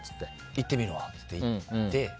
いってみるわって言って行って。